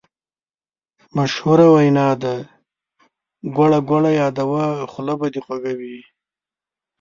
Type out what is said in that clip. مشهوره وینا ده: ګوړه ګوړه یاده وه خوله به دې خوږه وي.